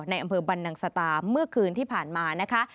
อำเภอบรรนังสตาเมื่อคืนที่ผ่านมานะคะ